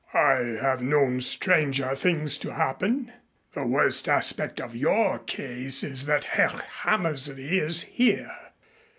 "I have known stranger things to happen. The worst aspect of your case is that Herr Hammersley is here.